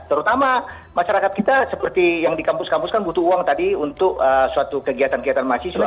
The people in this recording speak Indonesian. terutama masyarakat kita seperti yang di kampus kampus kan butuh uang tadi untuk suatu kegiatan kegiatan mahasiswa